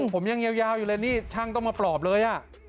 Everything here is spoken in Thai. ผมยังยาวอยู่เลยนี่ช่างต้องมาปลอบเลย